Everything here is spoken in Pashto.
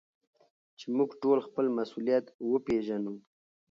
چي موږ ټول خپل مسؤليت وپېژنو.